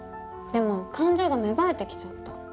でも感情が芽生えてきちゃった。